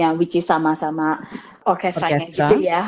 yang sama sama orkestral